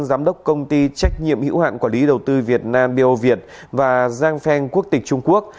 giám đốc công ty trách nhiệm hữu hạn quản lý đầu tư việt nam bio việt và giang feng quốc tịch trung quốc